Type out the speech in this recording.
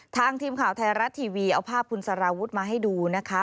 ทีมข่าวไทยรัฐทีวีเอาภาพคุณสารวุฒิมาให้ดูนะคะ